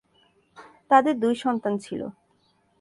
তাঁদের দুই সন্তান ছিল।